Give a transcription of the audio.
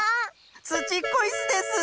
ツチッコイスです！